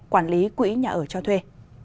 quản lý quỹ nhà ở cho thuê